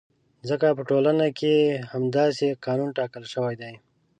ځکه په ټولنه کې یې همداسې قانون ټاکل شوی دی.